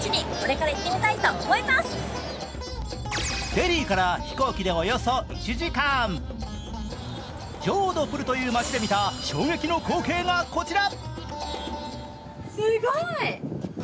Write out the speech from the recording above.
デリーから飛行機でおよそ１時間ジョードプルという街で見た衝撃の光景がこちら。